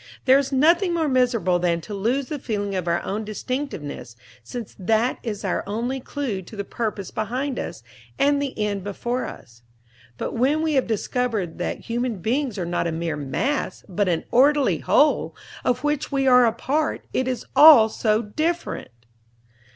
There is nothing more miserable than to lose the feeling of our own distinctiveness, since that is our only clue to the Purpose behind us and the End before us. But when we have discovered that human beings are not a mere "mass," but an orderly Whole, of which we are a part, it is all so different!